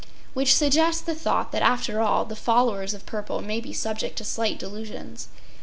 ” Which suggests the thought that after all, the followers of purple may be subject to slight delusions.